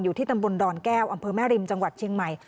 ที่ตำบลดอนแก้วอำเภอแม่ริมจังหวัดเชียงใหม่